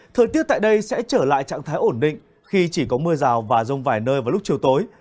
thời tiết tại đây sẽ trở lại trạng thái ổn định khi chỉ có mưa rào và rông vài nơi vào lúc chiều tối